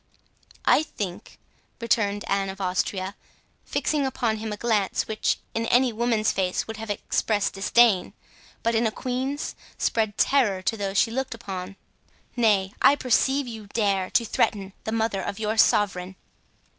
"I think," returned Anne of Austria, fixing upon him a glance, which in any woman's face would have expressed disdain, but in a queen's, spread terror to those she looked upon, "nay, I perceive you dare to threaten the mother of your sovereign."